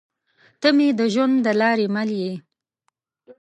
تۀ مې د ژوند د لارې مل يې